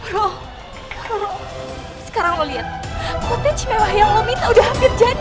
roro roro roro sekarang lo lihat kotej mewah yang lo minta udah hampir jadi